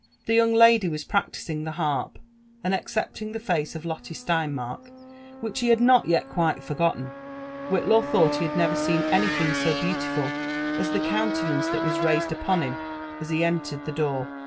The young lady was praclising (ho harp; and excepdng the face of Lo((e S(einmark, which he had not yet quite forgoden, Whitlair thoughl he had never seen any thing so beautiful as the countenance that was raised upon him as he entered (he door.